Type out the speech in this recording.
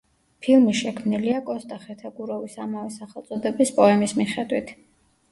ფილმი შექმნილია კოსტა ხეთაგუროვის ამავე სახელწოდების პოემის მიხედვით.